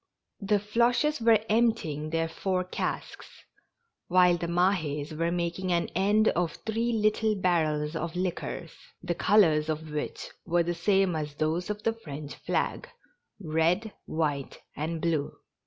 The Floches were emptying their four casks, while the Mahds were making an end of three little barrels of liquors, the colors of which were the same as those of the French flag — red, white and blue.